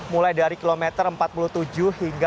mulai dari kilometer empat puluh tujuh hingga